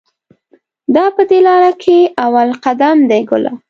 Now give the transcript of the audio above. دا په دې لار کې اول قدم دی ګله.